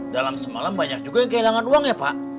dalam semalam banyak juga yang kehilangan uang ya pak